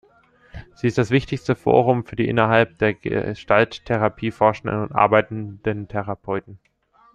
Sie ist das wichtigste Forum für die innerhalb der Gestalttherapie forschenden und arbeitenden Therapeuten.